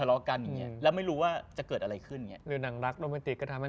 เรื่องผีก็ดี